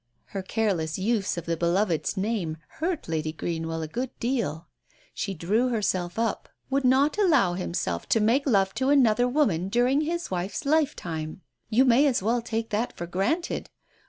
Her careless use of the beloved's name hurt Lady Greenwell a good deal. She drew herself up —— "Would not allow himself to make love to another woman during his wife's lifetime. You may as well take that for granted.